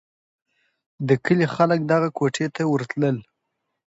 د کلي خلک دغه کوټې ته ورتلل.